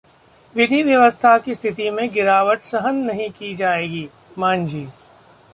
विधि व्यवस्था की स्थिति में गिरावट सहन नहीं की जाएगी: मांझी